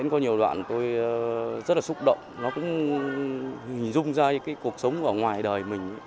có nhiều đoạn tôi rất là xúc động nó cũng hình dung ra cái cuộc sống ở ngoài đời mình